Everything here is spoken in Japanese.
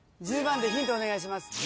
１０番でヒントお願いします。